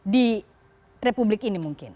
di republik ini mungkin